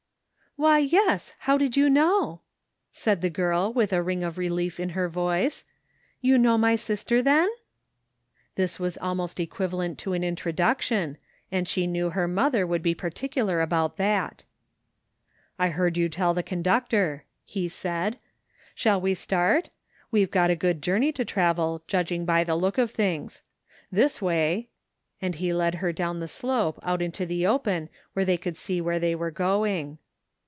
"" Why yes, how did you know? " said the girl with a ring of relief in her voice. " You know my sister, then? " This was almost equivalent to an introduction, 56 THE FINDING OP JASPER HOLT and she knew her mother would be particular about that. " I heard you tell the conductor," he said. " Shall we start? We've got a good journey to travel judging by the look of things. This way/' and he led her down the slope out into the open where they could see where they were going.